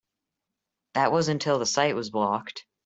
That was until the site was blocked.